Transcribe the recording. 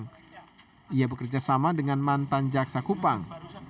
dia bekerja sama dengan mantan jaksa kupang